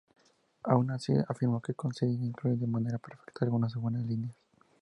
Aun así, afirmó que consigue incluir de manera perfecta algunas buenas líneas.